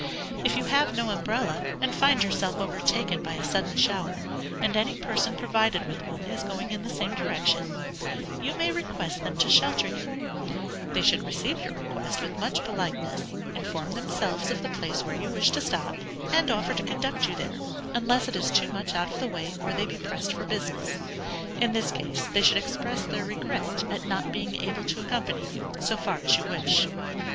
If you have no umbrella, and find yourself overtaken by a sudden shower, and any person provided with one is going in the same direction, you may request them to shelter you; they should receive your request with much politeness, inform themselves of the place where you wish to stop, and offer to conduct you there, unless it is too much out of the way, or they be pressed for business; in this case, they should express their regret at not being able to accompany you so far as you wish.